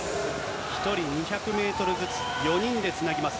１人２００メートルずつ、４人でつなぎます。